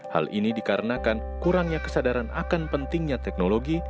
hal ini dikarenakan kurangnya kesadaran akan pentingnya teknologi